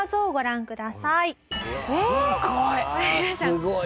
すごい！